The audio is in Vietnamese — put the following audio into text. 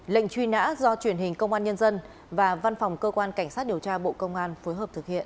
lệnh truy nã do truyền hình công an nhân dân và văn phòng cơ quan cảnh sát điều tra bộ công an phối hợp thực hiện